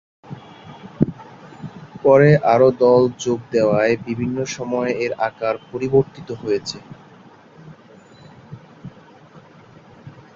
পরে আরো দল যোগ দেয়ায় বিভিন্ন সময়ে এর আকার পরিবর্তিত হয়েছে।